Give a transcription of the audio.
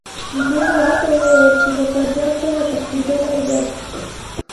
ما هغه ته وویل چې له پنجاب څخه تښتېدلی یم.